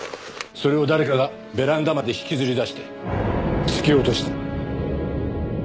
それを誰かがベランダまで引きずり出して突き落とした。